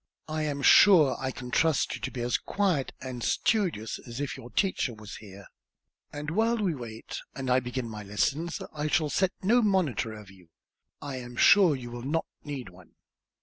I am sure I can trust you to be as quiet and studious as if your teacher was here; and while we wait, and I begin my lessons, I shall set no monitor over you. I am sure you will not need one."